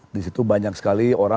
di situ banyak sekali orang